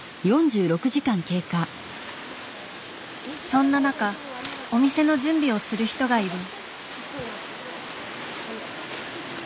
そんな中お店の準備をする人がいる。